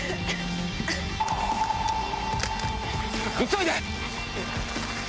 急いで！